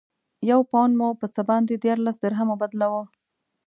یو پونډ مو په څه باندې دیارلس درهمو بدلاوه.